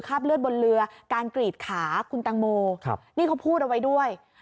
เลือดบนเรือการกรีดขาคุณตังโมนี่เขาพูดเอาไว้ด้วย